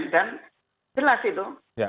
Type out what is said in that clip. dan jelas itu